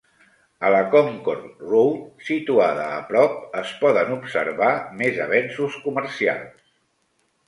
A la Concord Road, situada a prop, es poden observar més avenços comercials.